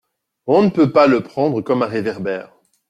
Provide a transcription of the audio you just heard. On ne peut pas le pendre comme un réverbère.